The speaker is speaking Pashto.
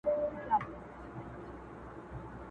یوه ورځ به په محفل کي، یاران وي، او زه به نه یم!.